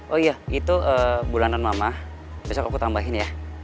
oh iya itu bulanan mama besok aku tambahin ya